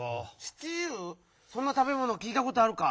そんなたべものきいたことあるか？